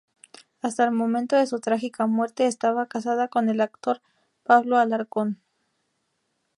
Hasta el momento de su trágica muerte estaba casada con el actor Pablo Alarcón.